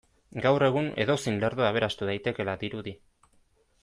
Gaur egun edozein lerdo aberastu daitekeela dirudi.